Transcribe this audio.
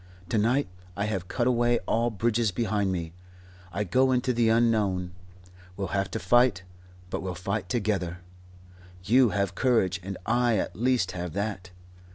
To night I have cut away all bridges behind me. I go into the unknown. We'll have to fight, but we'll fight together. You have courage, and I at least have that.